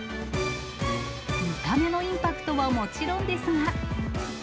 見た目のインパクトはもちろんですが。